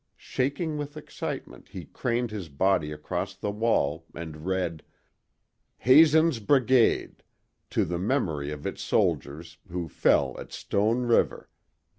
Shaking with excitement, he craned his body across the wall and read: HAZEN'S BRIGADE to The Memory of Its Soldiers who fell at Stone River, Dec.